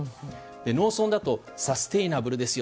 農村だとサステイナブルですよ